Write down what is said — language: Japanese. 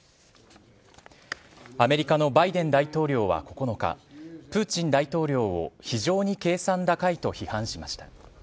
アメリカのバイデン大統領は９日、プーチン大統領を非常に計算高いと批判しました。